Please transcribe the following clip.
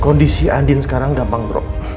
kondisi andin sekarang gampang drop